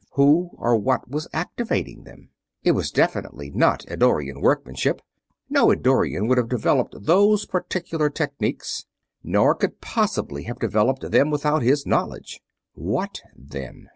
Who or what was activating them? It was definitely not Eddorian workmanship; no Eddorian would have developed those particular techniques, nor could possibly have developed them without his knowledge. What, then?